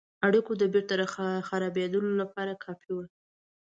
اړېکو د بیرته خرابېدلو لپاره کافي وه.